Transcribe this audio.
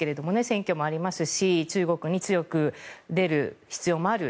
選挙もありますし中国に強く出る必要もある。